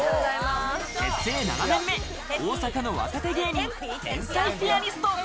結成７年目、大阪の若手芸人、天才ピアニスト。